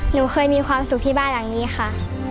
หนูเคยมีความสุขที่บ้านหลังนี้ค่ะ